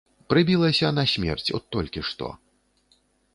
Прыбілася насмерць, от толькі што.